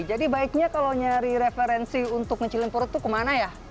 jadi baiknya kalau nyari referensi untuk ngecilin perut itu kemana ya